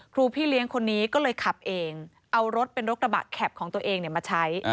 พี่เลี้ยงคนนี้ก็เลยขับเองเอารถเป็นรถกระบะแข็บของตัวเองมาใช้